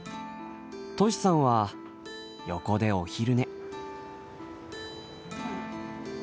としさんは横でお昼寝。